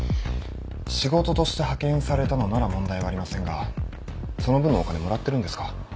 仕事として派遣されたのなら問題はありませんがその分のお金もらってるんですか？